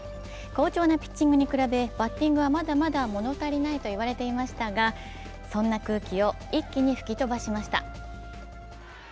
好調なピッチングに比べバッティングはまだまだ物足りないと言われていましたがそんな空気を一気に吹き飛ばしました。